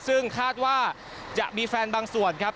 ซึ่งคาดว่าจะมีแฟนบางส่วนครับ